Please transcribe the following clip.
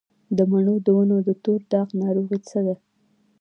د مڼو د ونو د تور داغ ناروغي څه ده؟